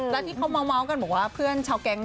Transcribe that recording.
แล้วที่เขาเมาส์กันบอกว่าเพื่อนชาวแก๊ง